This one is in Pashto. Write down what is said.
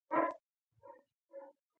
هغوی د کورنيو پر درد سترګې پټولې.